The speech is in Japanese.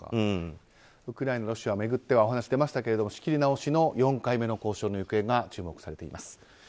ウクライナ、ロシアを巡ってはお話が出ましたが仕切り直しの４回目の交渉の行方が注目されています。